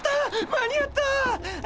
間に合った！